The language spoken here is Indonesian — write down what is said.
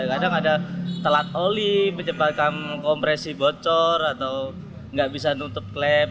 kadang ada telat oli menyebabkan kompresi bocor atau nggak bisa nutup klep